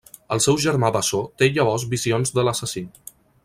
El seu germà bessó té llavors visions de l'assassí…